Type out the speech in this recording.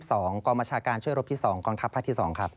กองบัญชาการช่วยรบที่๒กองทัพภาคที่๒ครับ